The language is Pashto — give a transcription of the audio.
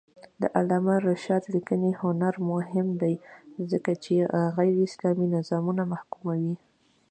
د علامه رشاد لیکنی هنر مهم دی ځکه چې غیراسلامي نظامونه محکوموي.